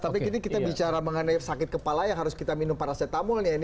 tapi kita bicara mengenai sakit kepala yang harus kita minum paracetamol